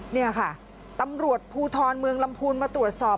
นี่ค่ะตำรวจภูทรเมืองลำพูนมาตรวจสอบ